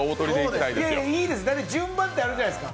だって、順番ってあるじゃないですか。